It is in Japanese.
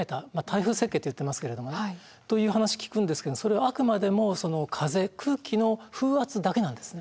耐風設計っていってますけれどもね。という話聞くんですけどそれはあくまでも風空気の風圧だけなんですね。